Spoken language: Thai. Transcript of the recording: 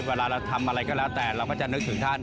เวลาเราทำอะไรก็แล้วแต่เราก็จะนึกถึงท่าน